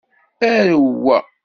Arem wa.